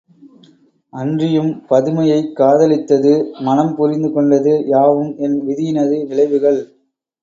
அன்றியும் பதுமையைக் காதலித்தது, மணம் புரிந்து கொண்டது யாவும் என் விதியினது விளைவுகள்.